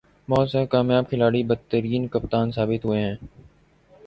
بہت سے کامیاب کھلاڑی بدترین کپتان ثابت ہوئے ہیں۔